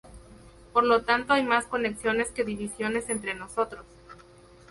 Por lo tanto hay más conexiones que divisiones entre nosotros"".